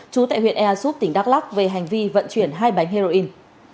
trú tại huyện ea súp tỉnh đắk lắc về hành vi vận chuyển hai bánh heroin